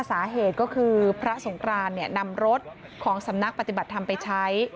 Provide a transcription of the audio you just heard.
สาเหตุก็คือพระสงกรานนำรถของสำนักปฏิบัติธรรมไปใช้